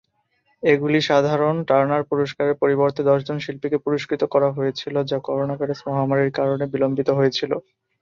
এগুলি সাধারণ টার্নার পুরস্কারের পরিবর্তে দশজন শিল্পীকে পুরস্কৃত করা হয়েছিল, যা করোনাভাইরাস মহামারীর কারণে বিলম্বিত হয়েছিল।